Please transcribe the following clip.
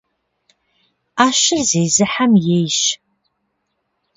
Iэщыр зезыхьэм ейщ.